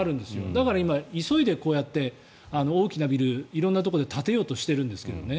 だから今急いでこうやって大きなビル色んなところで建てようとしてるんですけどね。